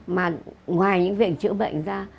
mà ngoài những việc chữa bệnh ra